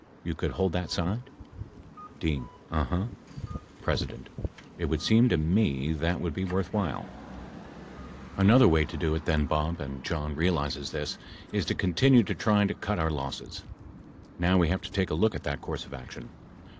You could hold that side ? D. Uh, huh. P. It would seem to me that would be worthwhile, [p. 206] P. Another way to do it then Bob, and John realizes this, is to continue to try to cut our losses. Now we have to take a look at that course of action.